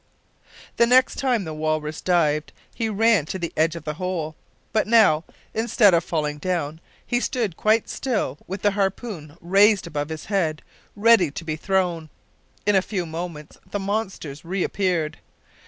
The next time the walrus dived he ran to the edge of the hole, but now, instead of falling down, he stood quite still with the harpoon raised above his head ready to be thrown. In a few moments the monsters reappeared.